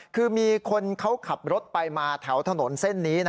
คือมีคนเขาขับรถไปมาแถวถนนเส้นนี้